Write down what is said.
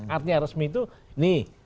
artinya resmi itu nih